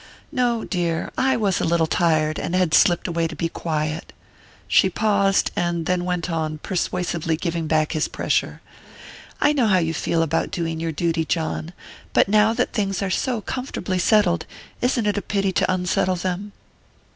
"No, dear; I was a little tired, and had slipped away to be quiet." She paused, and then went on, persuasively giving back his pressure: "I know how you feel about doing your duty, John; but now that things are so comfortably settled, isn't it a pity to unsettle them?"